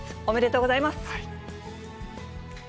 おめでとうございます。